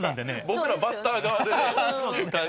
僕らバッター側でね感情移入。